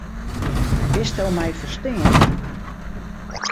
Kinsto my ferstean?